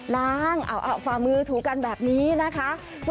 ล้างฝ่ามือถูกันแบบนี้นะคะ